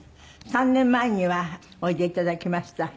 ３年前にはおいで頂きました。